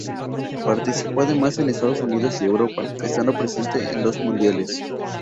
Participó además en Estados Unidos y Europa, estando presente en dos mundiales.